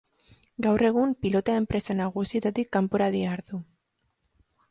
Gaur egun, pilota enpresa nagusietatik kanpora dihardu.